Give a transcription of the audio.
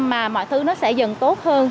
mà mọi thứ nó sẽ dần tốt hơn